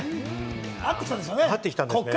あってきたんでしょうね。